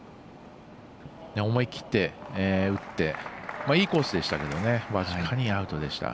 思い切って打っていいコースでしたけど僅かにアウトでした。